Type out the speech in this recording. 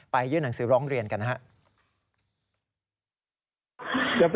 ยื่นหนังสือร้องเรียนกันนะครับ